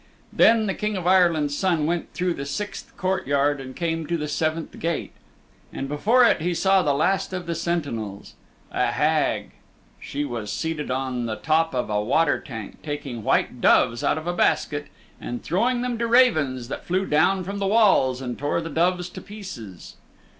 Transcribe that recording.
Then the King of Ireland's Son went through the sixth courtyard and came to the seventh gate. And before it he saw the last of the sentinels. A Hag, she was seated on the top of a water tank taking white doves out of a basket and throwing them to ravens that flew down from the walls and tore the doves to pieces.